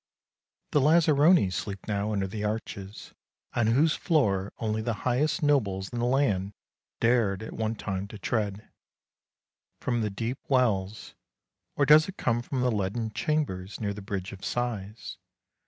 The Lazzaroni sleep now under the WHAT THE MOON SAW 249 arches, on whose floor only the highest nobles in the land dared at one time to tread. From the deep wells — or does it come from the leaden chambers near the Bridge of Sighs?